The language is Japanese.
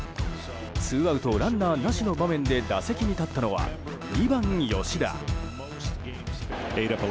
ツーアウトランナーなしの場面で打席に立ったのは２番、吉田。